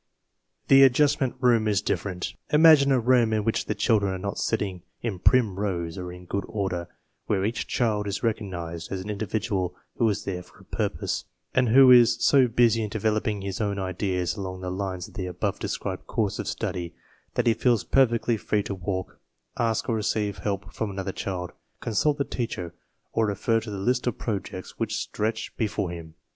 The Adjustment Room is different. Imagine a room in which the children are not sitting in prim rows or in good order; where each child is recognized as an indi vidual who is there for a purpose, and who is so busy in developing his own ideas along the lines of the above described course of study that he feels perfectly free to walk, ask or receive help from another child, consult the teacher, or refer to the list of projects which stretch be fore him.